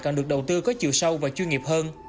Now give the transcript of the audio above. càng được đầu tư có chiều sâu và chuyên nghiệp hơn